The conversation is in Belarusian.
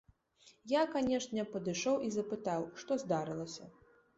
Я, канечне, падышоў і запытаў, што здарылася.